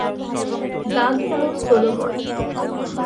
দাগ দাও, সলোমন।